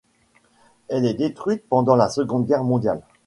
Elle est détruite pendant la seconde Guerre mondiale.